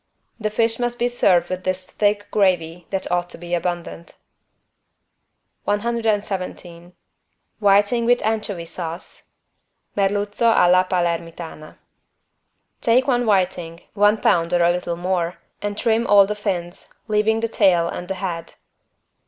The fish must be served with this thick gravy that ought to be abundant. 117 WHITING WITH ANCHOVY SAUCE (Merluzzo alla Palermitana) Take one whiting, one pound or a little more, and trim all the fins, leaving the tail and the head.